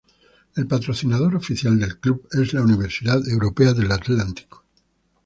El patrocinador oficial del club es la Universidad Europea del Atlántico.